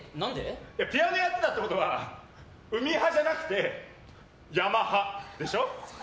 ピアノやってたってことは海派じゃなくてヤマハでしょ？